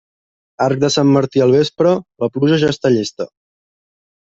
Arc de Sant Martí al vespre, la pluja ja està llesta.